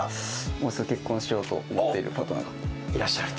もうすぐ結婚しようと思っていらっしゃると？